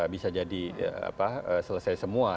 bisa jadi selesai semua